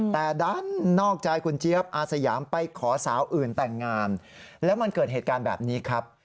แต่ด้านนอกใจคุณเจี๊ยบอาสยามไปขอสาวอื่นแต่งงานแล้วมันเกิดเหตุการณ์แบบนี้ครับ